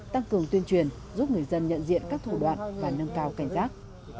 tăng cường tuyên truyền giúp người dân nhận diện các thủ đoạn và nâng cao cảnh giác